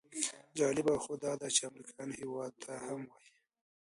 جالبه خو داده چې امریکایان هېواد ته هم وایي.